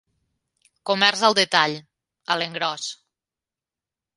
Comerç al detall, a l'engròs.